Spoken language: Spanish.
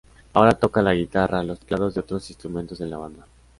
Ahora toca la guitarra, los teclados y otros instrumentos en la banda.